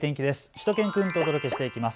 しゅと犬くんとお届けしていきます。